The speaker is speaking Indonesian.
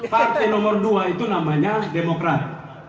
partai nomor dua itu namanya demokrat